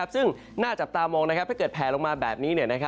ซึ่งน่าจับตามองถ้าเกิดแผลลงมาแบบนี้